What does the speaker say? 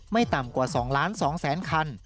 ไม่ต่ำกว่า๒๒๐๐๐คัน